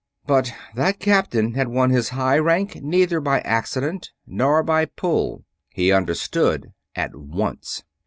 But that captain had won his high rank neither by accident nor by "pull" he understood at once.